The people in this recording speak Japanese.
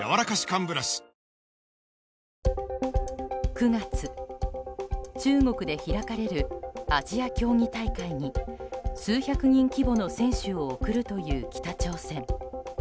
９月、中国で開かれるアジア競技大会に数百人規模の選手を送るという北朝鮮。